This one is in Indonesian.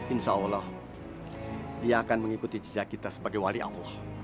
insya allah dia akan mengikuti jejak kita sebagai wali allah